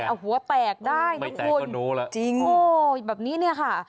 เอาหัวแตกได้ทุกคนไม่แตกก็โน่แล้วจริงโอ้แบบนี้เนี่ยค่ะ